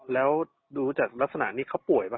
แล้วดูจากลักษณะนี้เขาป่วยป่